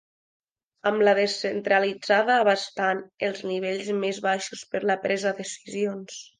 Amb la descentralitzada abastant els nivells més baixos per la presa decisions.